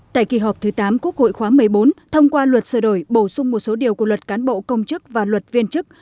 tại kỳ họp thứ tám quốc hội khóa một mươi bốn thông qua luật sửa đổi bổ sung một số điều của luật cán bộ công chức và luật viên chức